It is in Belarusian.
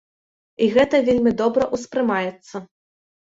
І гэта вельмі добра ўспрымаецца.